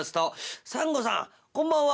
「サンゴさんこんばんは。